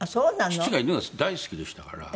父が犬が大好きでしたから。